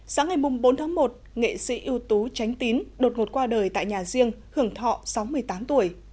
sáng ngày bốn tháng một nghệ sĩ ưu tú tránh tín đột ngột qua đời tại nhà riêng hưởng thọ sáu mươi tám tuổi